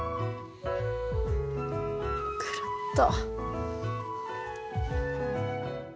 くるっと。